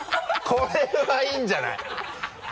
これはいいんじゃない？